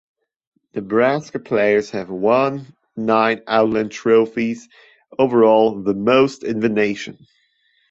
Nebraska players have won nine Outland Trophies overall, the most in the nation.